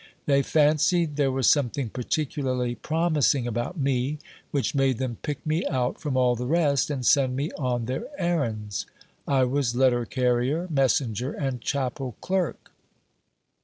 They fancied there was something particularly promising about me, which made them pick me out from all the rest, and send me on their errands. I was letter carrier, messenger, and chapel clerk.